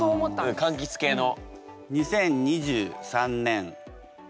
かんきつ系の。